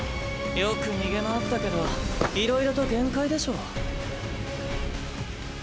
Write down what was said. よく逃げ回ったけどいろいろと限界でしょ。